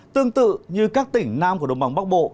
tương tự như các tỉnh nam của đồng bằng bắc bộ